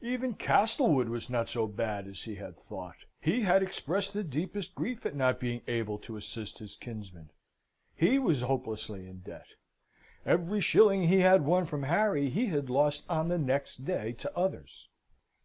Even Castlewood was not so bad as he had thought. He had expressed the deepest grief at not being able to assist his kinsman. He was hopelessly in debt. Every shilling he had won from Harry he had lost on the next day to others.